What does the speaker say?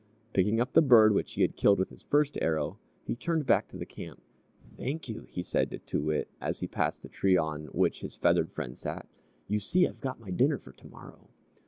Picking up the bird which he had killed with his first arrow, he turned back to the camp. "Thank you," he said to Too Wit, as he passed the tree on which his feathered friend sat, "You see, I've got my dinner for tomorrow."